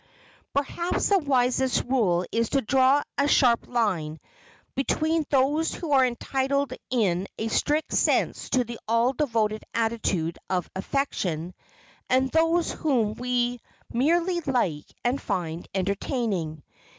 Perhaps the wisest rule is to draw a sharp line between those who are entitled in a strict sense to the all devoted attitude of affection and those whom we merely like and find entertaining.